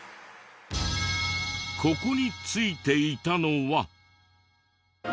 ここに付いていたのは。